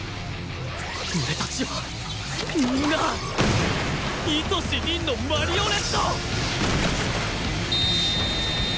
俺たちはみんな糸師凛のマリオネット！